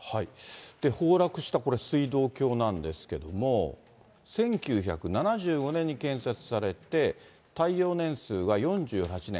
崩落した水道橋なんですけども、１９７５年に建設されて、耐用年数は４８年。